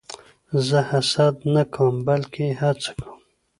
زه حسد نه کوم؛ بلکې هڅه کوم.